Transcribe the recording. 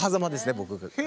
僕が。